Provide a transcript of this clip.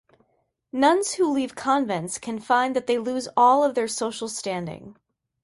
Nuns who leave convents can find that they lose all of their social standing.